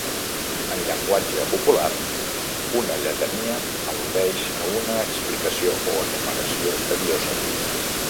En llenguatge popular, una lletania al·ludeix a una explicació o enumeració tediosa.